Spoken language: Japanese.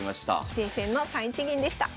棋聖戦の３一銀でした。